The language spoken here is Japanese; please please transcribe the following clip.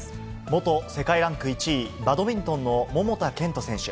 元世界ランク１位、バドミントンの桃田賢斗選手。